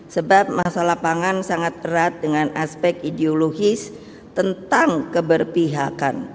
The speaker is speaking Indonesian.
sebab masalah pangan sangat erat dengan aspek ideologis tentang keberpihakan